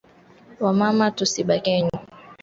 Wa mama tushibakiye nyuma